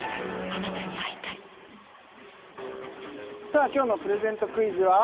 さあ今日のプレゼントクイズは？